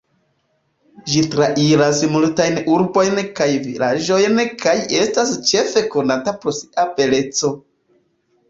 Ĝi trairas multajn urbojn kaj vilaĝojn kaj estas ĉefe konata pro sia beleco.